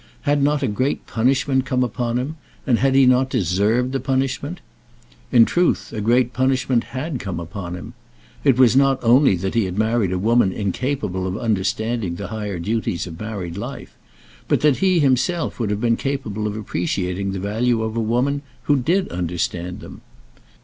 Had not a great punishment come upon him, and had he not deserved the punishment? In truth, a great punishment had come upon him. It was not only that he had married a woman incapable of understanding the higher duties of married life, but that he himself would have been capable of appreciating the value of a woman who did understand them.